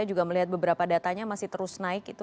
saya juga melihat beberapa datanya masih terus naik itu